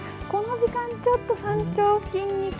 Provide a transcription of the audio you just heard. この時間、ちょっと山頂付近に。